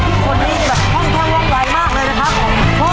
เร็วเร็วเร็วเร็วเร็วเร็วเร็วเร็วเร็วเร็วเร็ว